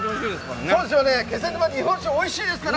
気仙沼、日本酒おいしいですから！